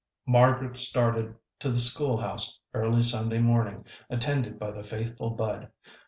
Margaret started to the school house early Sunday morning, attended by the faithful Bud.